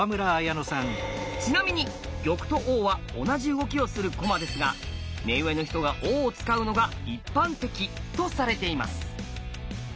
ちなみに玉と王は同じ動きをする駒ですが目上の人が王を使うのが一般的とされています。